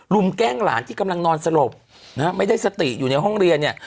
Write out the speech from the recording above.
แกล้งหลานที่กำลังนอนสลบนะฮะไม่ได้สติอยู่ในห้องเรียนเนี่ย